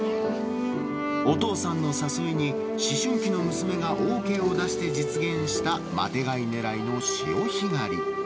お父さんの誘いに、思春期の娘がＯＫを出して実現したマテ貝狙いの潮干狩り。